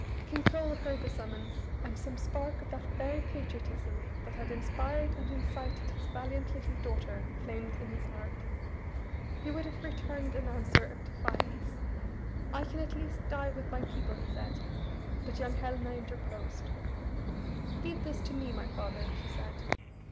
King Coel heard the summons, and some spark of that very patriotism that had inspired and incited his valiant little daughter flamed in his heart. He would have returned an answer of defiance. "I can at least die with my people," he said, but young Helena interposed. "Leave this to me, my father," she said.